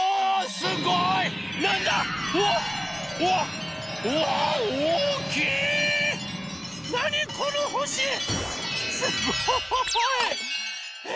すごい！え？